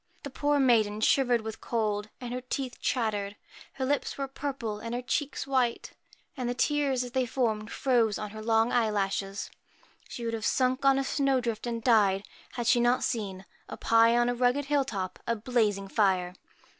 The poor maiden shivered with cold, and her teeth chattered. Her lips were purple and her cheeks 74 white ; and the tears, as they formed, froze on her PRETTY long eyelashes. She would have sunk on a snow drift and died, had she not seen, up high on a rugged hill top, a blazing fire.